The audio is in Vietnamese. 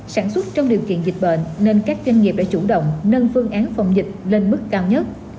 sản xuất trong điều kiện dịch bệnh nên các doanh nghiệp đã chủ động nâng phương án phòng dịch lên mức cao nhất